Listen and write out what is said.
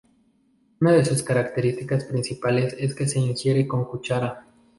Una de sus características principales es que se ingiere con cuchara.